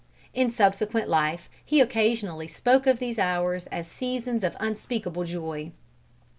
In subsequent life, he occasionally spoke of these hours as seasons of unspeakable joy.